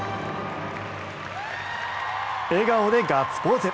笑顔でガッツポーズ。